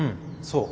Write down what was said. そう。